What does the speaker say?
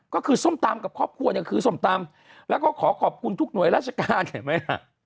ก็คือส้มตำกับครอบครัวเนี่ยคือส้มตำแล้วก็ขอขอบคุณทุกหน่วยราชการเห็นไหมฮะ